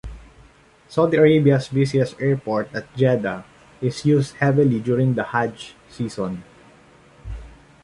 Saudi Arabia's busiest airport at Jeddah is used heavily during the Hajj season.